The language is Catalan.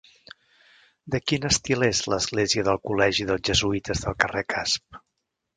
De quin estil és l'església del col·legi dels Jesuïtes del carrer Casp?